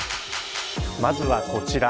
まずはこちら。